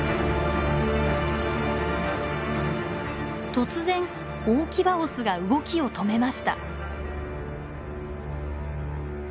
突然大キバオスが動きを止めました。